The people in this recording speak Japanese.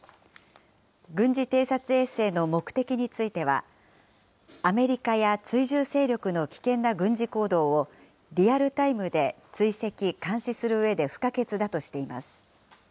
軍事偵察衛星の目的については、アメリカや追従勢力の危険な軍事行動を、リアルタイムで追跡・監視するうえで不可欠だとしています。